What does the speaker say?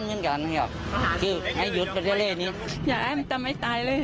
ทุกวันนี้แม่คิดถึงตีหัวนอนไม่ขลับเลย